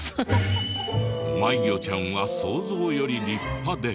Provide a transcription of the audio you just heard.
迷魚ちゃんは想像より立派で。